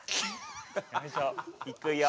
よいしょいくよ。